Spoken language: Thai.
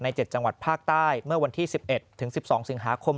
๗จังหวัดภาคใต้เมื่อวันที่๑๑ถึง๑๒สิงหาคม